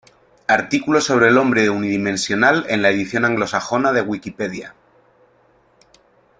Artículo sobre El hombre unidimensional en la edición anglosajona de Wikipedia.